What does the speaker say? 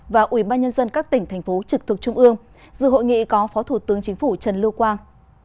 và ubnd các tỉnh thành phố trực thuộc trung ương dự hội nghị có phó thủ tướng chính phủ trần lưu quang